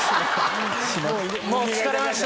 もう疲れました！